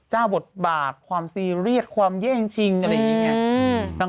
เจ้าบทบาทความซีเรียกความเย่งจริงอะไรอย่างนี้